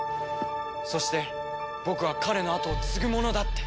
そして僕は彼の後を継ぐ者だって。